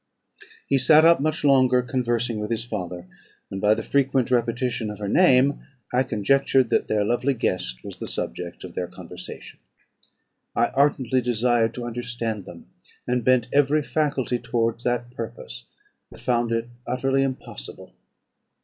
He sat up much longer, conversing with his father; and, by the frequent repetition of her name, I conjectured that their lovely guest was the subject of their conversation. I ardently desired to understand them, and bent every faculty towards that purpose, but found it utterly impossible.